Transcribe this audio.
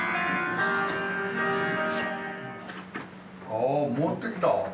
ああ持ってきた！